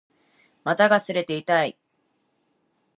股が擦れて痛い